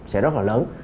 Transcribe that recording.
sẽ rất là lớn